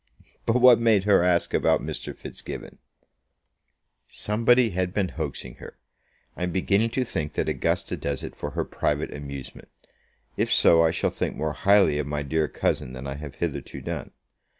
"But what made her ask about Mr. Fitzgibbon?" "Somebody had been hoaxing her. I am beginning to think that Augusta does it for her private amusement. If so, I shall think more highly of my dear cousin than I have hitherto done.